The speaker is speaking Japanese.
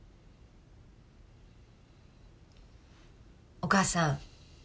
お母さん。